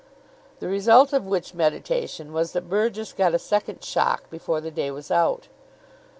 The result of which meditation was that Burgess got a second shock before the day was out.